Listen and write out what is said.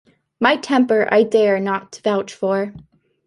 My temper I dare not vouch for.